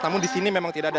namun disini memang tidak ada